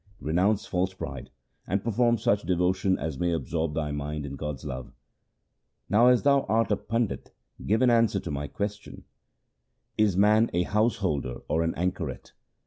Renounce false pride, and perform such devotion as may absorb thy mind in God's love. Now as thou art a pandit give an answer to my questions :— Is man a householder or an anchoret ?